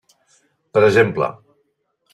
Per exemple.